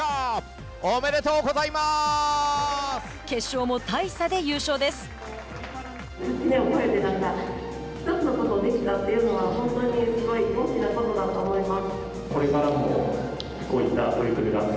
決勝も大差で優勝です。